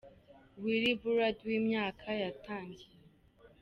Will Burrard w’imyaka yatangiye.